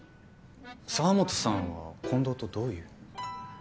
澤本さんは近藤とどういう。